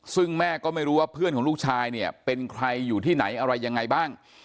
ซึ่งแม่ก็ไม่รู้ว่าเพื่อนของลูกชายเนี่ยเป็นใครอยู่ที่ไหนอะไรยังไงบ้าง